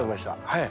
はい。